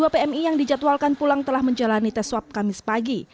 dua pmi yang dijadwalkan pulang telah menjalani tes swab kamis pagi